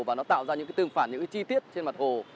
và nó tạo ra những chi tiết trên mặt hồ